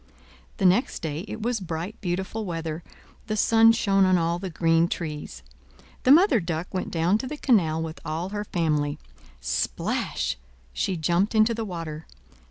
The next day, it was bright, beautiful weather; the sun shone on all the green trees. The Mother Duck went down to the canal with all her family. Splash! she jumped into the water.